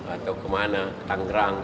atau ke mana ketanggerang